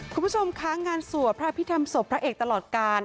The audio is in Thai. คุณผู้ชมคะงานสวดพระพิธรรมศพพระเอกตลอดกาล